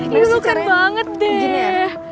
ini lu keren banget deh